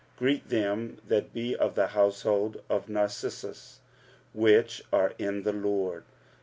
Greet them that be of the household of Narcissus, which are in the Lord.